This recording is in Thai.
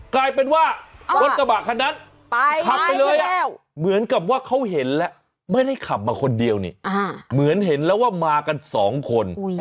กลายเป็นว่ารถกระบะคันนั้นขับไปเลยเหมือนกับว่าเขาเห็นแล้วไม่ได้ขับมาคนเดียวนี่เหมือนเห็นแล้วว่ามากันสองคน